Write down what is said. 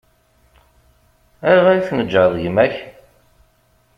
Ayɣer i tneǧǧɛeḍ gma-k?